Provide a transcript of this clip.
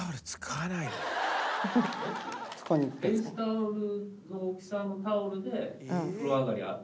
フェイスタオルの大きさのタオルでお風呂上がりは拭く？